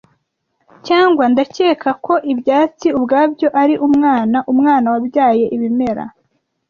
Cyangwa ndakeka ko ibyatsi ubwabyo ari umwana, umwana wabyaye ibimera.